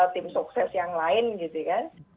tim sukses yang lain gitu kan